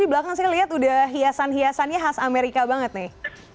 di belakang saya lihat udah hiasan hiasannya khas amerika banget nih